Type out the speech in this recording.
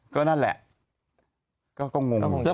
ก็นั่นแหละ